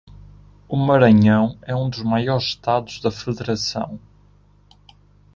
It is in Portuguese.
O Maranhão é um dos maiores estados da federação